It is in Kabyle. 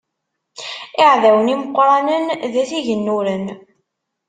Iɛdawen imeqqranen d at igennuren.